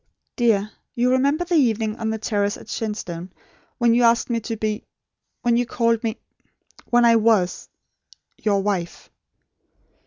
Dear, you remember the evening on the terrace at Shenstone, when you asked me to be when you called me when I WAS YOUR WIFE?